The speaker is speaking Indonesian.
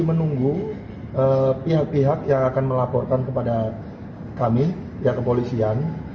kami menunggu pihak pihak yang akan melaporkan kepada kami pihak kepolisian